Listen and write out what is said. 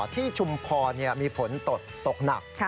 ที่ชุมภอมีฝนตดตกหนัก